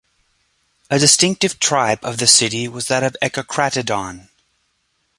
A distinctive tribe of the city was that of Echecratidon.